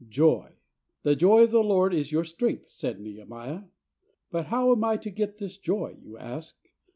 Joy. "The joy of the Lord is your strength," said Nehemiah. "But how am I to get this joy?" you ask.